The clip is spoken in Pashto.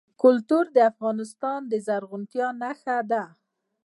کلتور د افغانستان د زرغونتیا نښه ده.